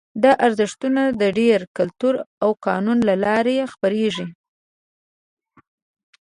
دا ارزښتونه د دین، کلتور او قانون له لارې خپرېږي.